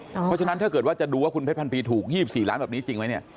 เพราะฉะนั้นถ้าเกิดว่าจะดูว่าคุณเพชรพันปีถูก๒๔ล้านแบบนี้จริงไหมเนี่ย